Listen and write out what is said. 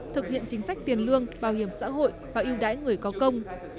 thực hiện chính sách tiền lương bảo hiểm xã hội và yêu đái người có công